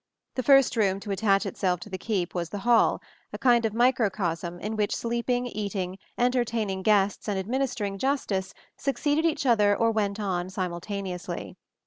The first room to attach itself to the keep was the "hall," a kind of microcosm in which sleeping, eating, entertaining guests and administering justice succeeded each other or went on simultaneously.